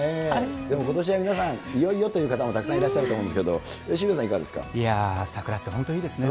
ことしは皆さん、いよいよという方もたくさんいらっしゃると思うんですけれども、渋谷さん、桜って本当いいですね。